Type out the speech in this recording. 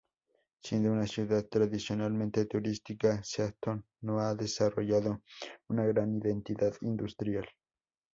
Siendo una ciudad tradicionalmente turística, Seaton no ha desarrollado una gran identidad industrial.